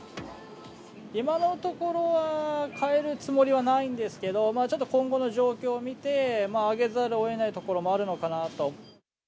今のところは変えるつもりはないんですけど、ちょっと今後の状況を見て、上げざるをえないところもあるのかなと。